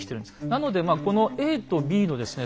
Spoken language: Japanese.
なのでこのＡとＢのですね